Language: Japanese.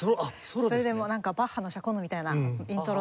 それでもうバッハの『シャコンヌ』みたいなイントロで。